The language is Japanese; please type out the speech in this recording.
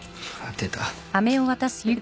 出た。